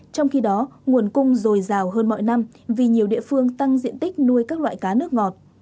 trong khi đó nguồn cung dồi dào hơn mọi năm vì nhiều địa phương tăng diện tích nuôi các loại cá nước ngọt